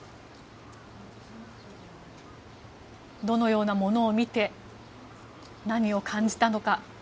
どのようなものを見て何を感じたのか。